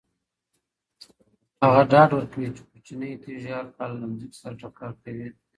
هغه ډاډ ورکوي چې کوچنۍ تیږې هر کال له ځمکې سره ټکر کوي.